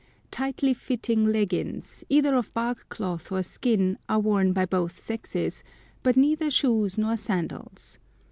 Tightly fitting leggings, either of bark cloth or skin, are worn by both sexes, but neither shoes nor sandals.